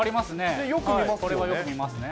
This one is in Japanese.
よく見ますよね。